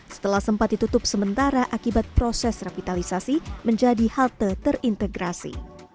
setelah sempat ditutup sementara akibat proses revitalisasi menjadi halte terintegrasi